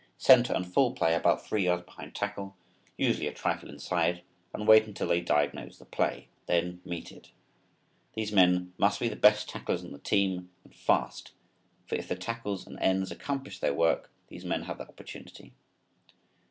Center and full play about three yards behind tackle, usually a trifle inside and wait until they diagnose the play, then meet it. These men must be the best tacklers on the team and fast, for if the tackles and ends accomplish their work these men have their opportunity.